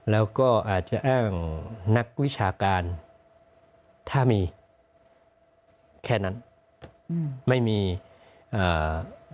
แล้วก็อาจจะอ้างนักวิชาการถ้ามีแค่นั้นอืมไม่มีอ่า